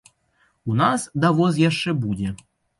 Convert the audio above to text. У нас давоз яшчэ будзе.